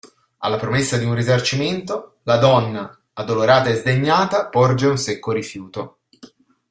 Alla promessa di un risarcimento la donna addolorata e sdegnata porge un secco rifiuto.